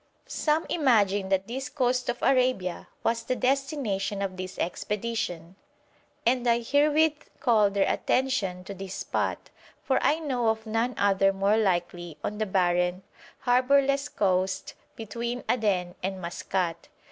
Some imagine that this coast of Arabia was the destination of this expedition, and I herewith call their attention to this spot, for I know of none other more likely on the barren, harbourless coast between Aden and Maskat.